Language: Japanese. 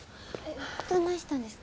どないしたんですか？